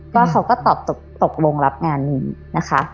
ก็เขาก็ตอบตกลงรับงานนี้นะคะ